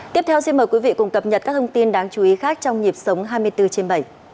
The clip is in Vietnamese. tiếp theo xin mời quý vị cùng cập nhật các thông tin đáng chú ý khác trong nhịp sống hai mươi bốn trên bảy